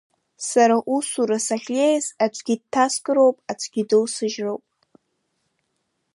Сара усура сахьнеиз, аӡәгьы дҭаскыроуп, аӡәгьы доусыжьроуп.